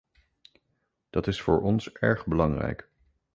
Dat is voor ons erg belangrijk.